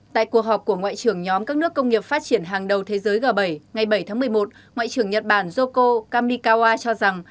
tại cuộc họp của ngoại trưởng nhóm các nước công nghiệp phát triển hàng đầu thế giới g bảy ngày bảy tháng một mươi một ngoại trưởng nhật bản joko kamikawa cho rằng